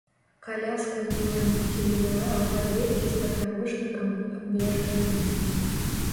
Каляска мела нікелевыя аглабелькі з папярочнікам, абверчаным гумай.